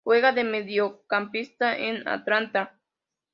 Juega de Mediocampista en Atlanta.